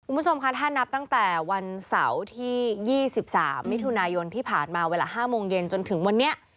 คุณผู้ชมคะถ้านับตั้งแต่วันเสาร์ที่๒๓มิถุนายนที่ผ่านมาเวลา๕โมงเย็นจนถึงวันนี้